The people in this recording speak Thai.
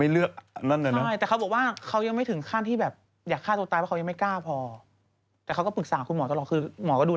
มือนั้นมีอะไรบ้างเข้าขับหมู่